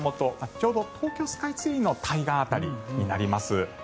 ちょうど東京スカイツリーの対岸辺りになります。